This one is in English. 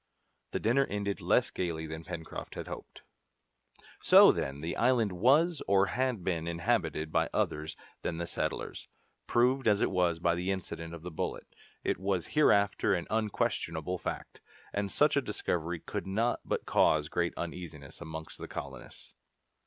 The dinner ended less gaily than Pencroft had hoped. So, then, the island was, or had been, inhabited by others than the settlers. Proved as it was by the incident of the bullet, it was hereafter an unquestionable fact, and such a discovery could not but cause great uneasiness amongst the colonists.